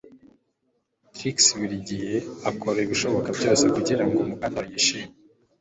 Trix buri gihe akora ibishoboka byose kugirango Mukandoli yishime